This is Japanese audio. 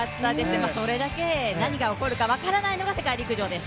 それだけ何が起こるか分からないのが世界陸上です。